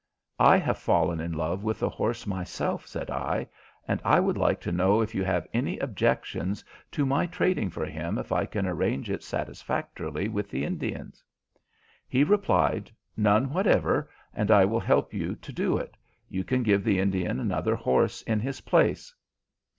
"I have fallen in love with the horse myself," said I, "and I would like to know if you have any objections to my trading for him if I can arrange it satisfactorily with the Indians?" He replied, "None whatever, and I will help you to do it; you can give the Indian another horse in his place."